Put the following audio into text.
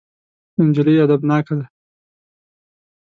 نجلۍ ادبناکه ده.